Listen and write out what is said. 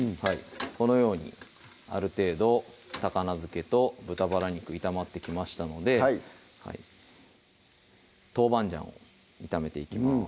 このようにある程度高菜漬けと豚バラ肉炒まってきましたので豆板醤を炒めていきます